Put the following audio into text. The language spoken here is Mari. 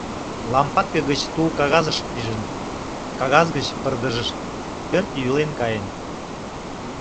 Лампадке гыч тул кагазыш пижын, кагаз гыч пырдыжыш — пӧрт йӱлен каен.